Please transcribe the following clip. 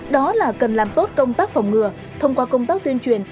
đó là cần làm tốt công tác phòng ngừa thông qua công tác tuyên truyền